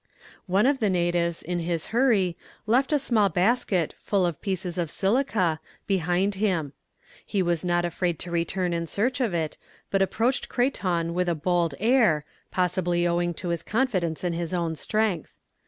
"One of the natives, in his hurry, left a small basket, full of pieces of silica, behind him. He was not afraid to return in search of it, but approached Creton with a bold air, possibly owing to his confidence in his own strength.